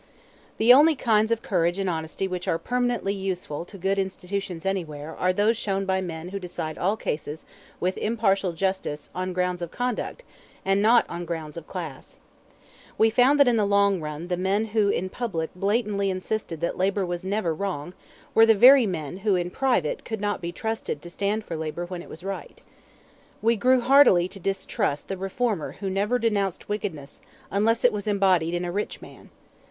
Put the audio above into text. The only kinds of courage and honesty which are permanently useful to good institutions anywhere are those shown by men who decide all cases with impartial justice on grounds of conduct and not on grounds of class. We found that in the long run the men who in public blatantly insisted that labor was never wrong were the very men who in private could not be trusted to stand for labor when it was right. We grew heartily to distrust the reformer who never denounced wickedness unless it was embodied in a rich man.